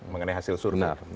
mengenai hasil survei